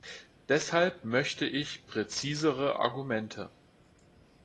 Deshalb möchte ich präzisere Argumente.